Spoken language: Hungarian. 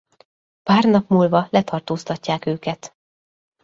Pár nap múlva letartóztatják őket.